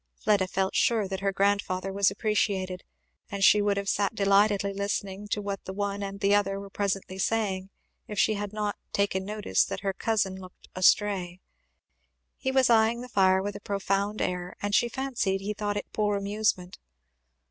Fleda felt sure that her grandfather was appreciated; and she would have sat delightedly listening to what the one and the other were presently saying, if she had not taken notice that her cousin looked astray. He was eying the fire with a profound air and she fancied he thought it poor amusement.